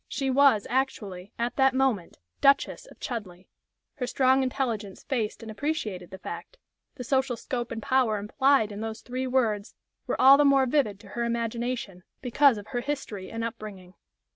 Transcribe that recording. She was actually, at that moment, Duchess of Chudleigh; her strong intelligence faced and appreciated the fact; the social scope and power implied in those three words were all the more vivid to her imagination because of her history and up bringing.